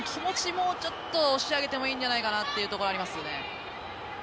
もうちょっと押し上げてもいいんじゃないかなというところありますよね。